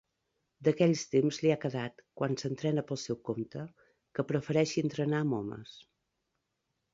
D'aquells temps li ha quedat, quan s'entrena pel seu compte, que prefereixi entrenar amb homes.